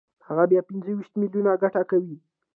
هغه بیا پنځه ویشت میلیونه ګټه کوي